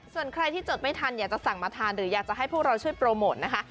ส่วนใครที่จดไม่ทันอยากจะสั่งมาทานหรืออยากจะให้พวกเราช่วยโปรโมทนะคะ